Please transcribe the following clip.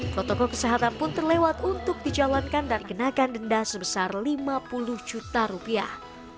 protokol kesehatan pun terlewat untuk dijalankan dan kenakan denda sebesar lima puluh juta rupiah